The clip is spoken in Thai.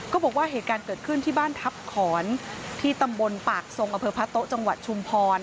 บอกว่าเหตุการณ์เกิดขึ้นที่บ้านทัพขอนที่ตำบลปากทรงอำเภอพระโต๊ะจังหวัดชุมพร